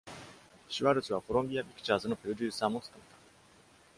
シュワルツはコロンビア・ピクチャーズのプロデューサーも務めた。